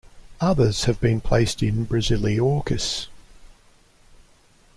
Others have been placed in "Brasiliorchis".